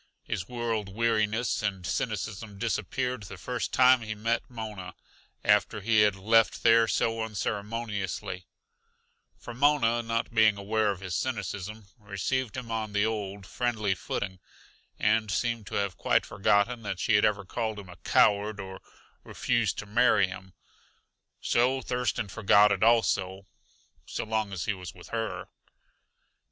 His world weariness and cynicism disappeared the first time he met Mona after he had left there so unceremoniously; for Mona, not being aware of his cynicism, received him on the old, friendly footing, and seemed to have quite forgotten that she had ever called him a coward, or refused to marry him. So Thurston forgot it also so long as he was with her.